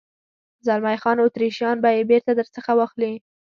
زلمی خان: اتریشیان به یې بېرته در څخه واخلي.